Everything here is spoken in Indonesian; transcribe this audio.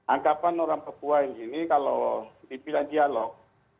angkapan orang papua ini kalau dipilih dialog